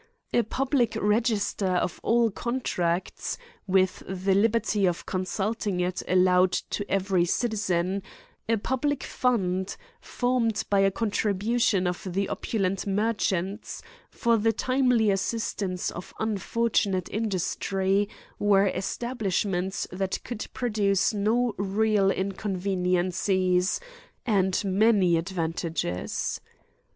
A public regjister of all contracts^ with the Hberty of consulting it allow ed to every citizen : a public fund, formed by a contribution of the opulent merchants, for the timt'ly assistance of unfortunate industry, were es tablishments that could produce no real inconveni encies, and many advantage s.